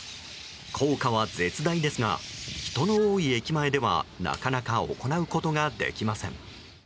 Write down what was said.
効果は絶大ですが人の多い駅前ではなかなか行うことができません。